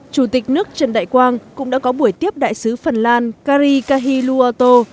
chủ tịch nước trần đại quang cũng đã có buổi tiếp đại sứ phần lan kari kahiluoto